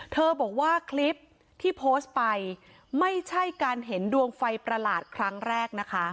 เธอบอกว่าคลิปที่โพสต์ไปไม่ใช่การเห็นดวงไฟประหลาดครั้งแรกนะคะ